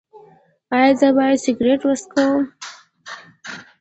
ایا زه باید سګرټ وڅکوم؟